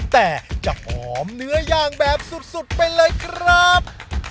แต่จะหอมเนื้อย่างแบบสุดไปเลยครับ